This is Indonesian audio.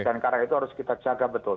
dan karena itu harus kita jaga betul